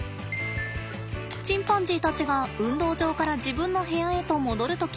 チンパンジーたちが運動場から自分の部屋へと戻る時。